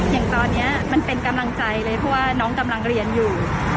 อย่างตอนนี้มันเป็นกำลังใจเลยเพราะว่าน้องกำลังเรียนอยู่